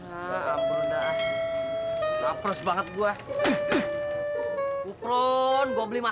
eh abang kenapa kelihatannya pusing kali bang